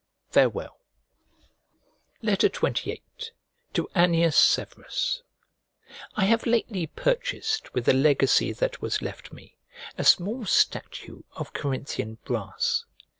Farewell. XXVIII To ANNIUS SEVERUS I HAVE lately purchased with a legacy that was left me a small statue of Corinthian brass.